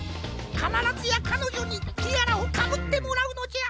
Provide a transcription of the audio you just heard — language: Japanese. かならずやかのじょにティアラをかぶってもらうのじゃ。